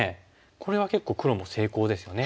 これは結構黒も成功ですよね。